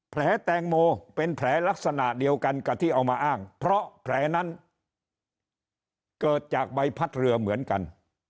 แผลแตงโมเป็นแผลลักษณะเดียวกันกับที่เอามาอ้างเพราะแผลนั้นเกิดจากใบพัดเรือเหมือนกัน